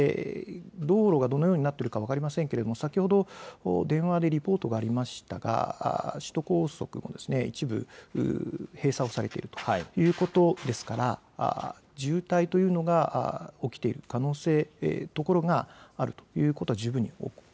道路がどのようになっているか分かりませんけれども先ほど電話でリポートがありましたが首都高速が一部、閉鎖をされているということですから渋滞というのが起きている可能性があるということです。